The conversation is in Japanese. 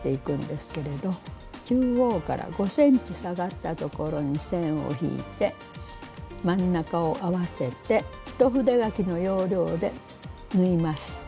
中央から５ｃｍ下がったところに線を引いて真ん中を合わせて一筆書きの要領で縫います。